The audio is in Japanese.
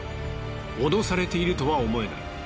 脅されているとは思えない。